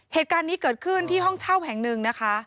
เหตุการณ์นี้เกิดขึ้นที่ห้องเช่าแห่งหนึ่งนะคะ